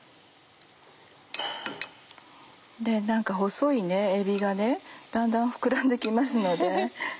細いえびがだんだん膨らんで来ますので。